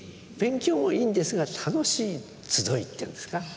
勉強もいいんですが楽しい集いっていうんですか。